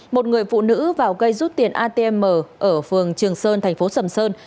một người phụ nữ vào gây rút tiền atm ở phường trường sơn thành phố sầm sơn